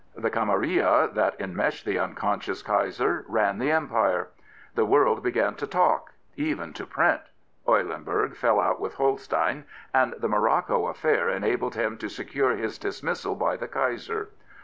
The camarilla that enmeshed the unconscious Kaiser ran the Empire. The world began to talk, even to print. Eulenburg fell out with Holstein, and the Morocco affair enabled him to secure his dismissal by the Kaiser.